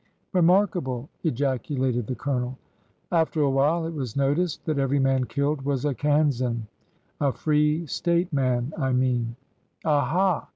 Remarkable! " ejaculated the Colonel. After a while it was noticed that every man killed was a Kansan— a free State man, I mean." "A ha!"